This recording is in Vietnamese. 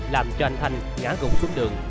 làm cho anh thành ngá gũ xuống đường